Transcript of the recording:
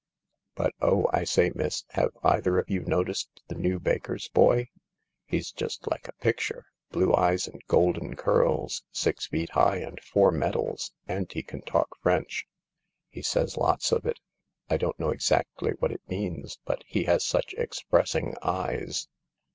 But oh, I say, miss, have either of you noticed the new baker's boy ? He's just like a picture, blue eyes and golden curls, six feet high and four medals, and he can talk French. He says lots of it. I don't know exactly what it means, but he has such expressing eyes."